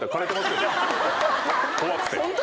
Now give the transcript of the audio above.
怖くて。